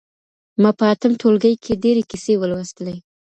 ما په اتم ټولګي کي ډېرې کيسې ولوستلې.